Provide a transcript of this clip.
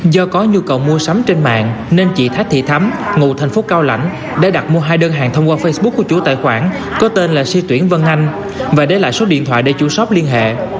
do có nhu cầu mua sắm trên mạng nên chị thách thị thắm ngụ thành phố cao lãnh đã đặt mua hai đơn hàng thông qua facebook của chú tài khoản có tên là si tuyển vân anh và đây là số điện thoại để chú shop liên hệ